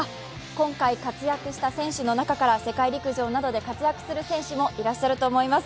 今回、活躍した選手の中から世界陸上などで活躍する選手もいらっしゃると思います。